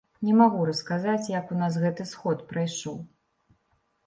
Не магу расказаць, як у нас гэты сход прайшоў.